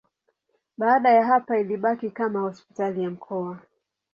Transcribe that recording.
Baada ya hapo ilibaki kama hospitali ya mkoa.